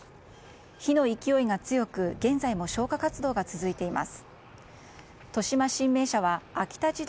火の勢いが強く現在も消火活動が続いています。